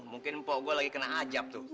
mungkin mpo gue lagi kena ajab tuh